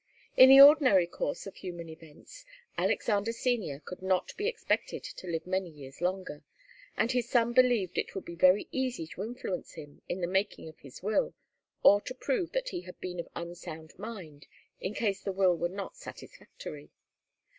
In the ordinary course of human events, Alexander Senior could not be expected to live many years longer, and his son believed it would be very easy to influence him in the making of his will, or to prove that he had been of unsound mind in case the will were not satisfactory.